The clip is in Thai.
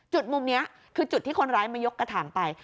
จุดมุมนี้คือจุดที่คนร้ายมายกกระถางไป